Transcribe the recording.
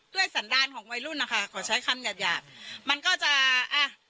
สันดารของวัยรุ่นนะคะขอใช้คำหยาบหยาบมันก็จะอ่ะ